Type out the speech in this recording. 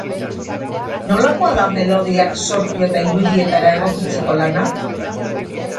Nolakoa da melodiak sortu eta irudietara egokitzeko lana?